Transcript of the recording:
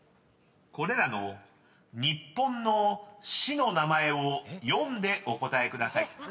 ［これらの日本の市の名前を読んでお答えください］